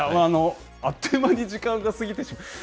あっという間に時間が過ぎてしまいました。